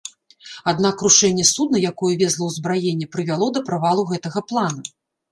Аднак крушэнне судна, якое везла ўзбраенне, прывяло да правалу гэтага плана.